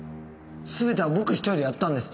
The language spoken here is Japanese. すべては僕１人でやったんです。